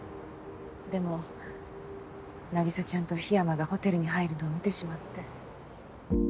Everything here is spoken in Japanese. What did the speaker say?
でも凪沙ちゃんと桧山がホテルに入るのを見てしまって。